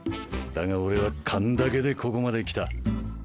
だが俺は勘だけでここまで来た。